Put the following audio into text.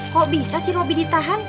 kok bisa sih robby ditahan